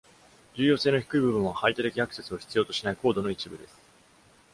重要性の低い部分は、排他的アクセスを必要としないコードの一部です。